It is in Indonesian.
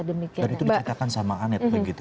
demikian dan itu diceritakan sama anet begitu ya